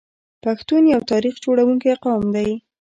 پښتون یو تاریخ جوړونکی قوم دی.